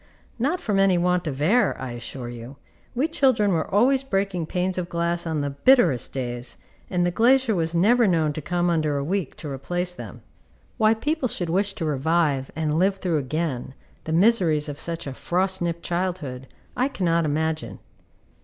Not from any want of air, I assure you, we children were always breaking panes of glass on the bitterest days, and the glazier was never known to come under a week to replace them. Why people should wish to revive, and live through again, the miseries of such a frost nipped childhood, I cannot imagine.